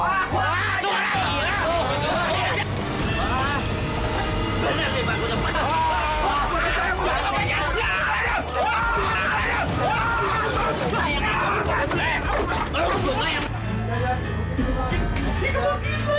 benar dia bangunnya pasang